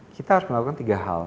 kita harus melakukan tiga hal